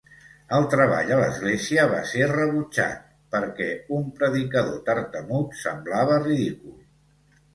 El treball a l'església va ser rebutjat, perquè un predicador tartamut semblava ridícul.